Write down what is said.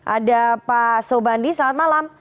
ada pak sobandi selamat malam